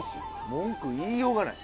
文句言いようがない。